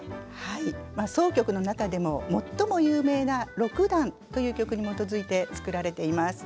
箏曲の中でも最も有名な「六段」という曲に基づいて作られています。